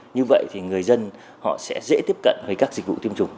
như vậy thì người dân họ sẽ dễ tiếp cận với các dịch vụ tiêm chủng